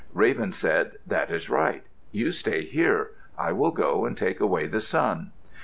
Raven said, "That is right. You stay here. I will go and take away the sun."